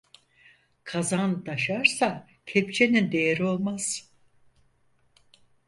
Kazan taşarsa kepçenin değeri olmaz.